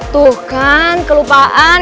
tuh kan kelupaan